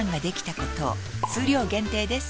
数量限定です